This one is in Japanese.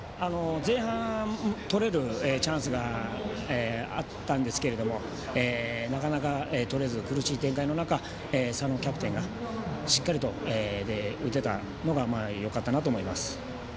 前半、取れるチャンスがあったんですけれどもなかなか、取れず苦しい展開の中佐野キャプテンがしっかりと打てたのがよかったなと思います。